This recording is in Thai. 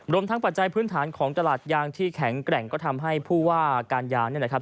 รวมทั้งปัจจัยพื้นฐานของตลาดยางที่แข็งแกร่งก็ทำให้ผู้ว่าการยางเนี่ยนะครับ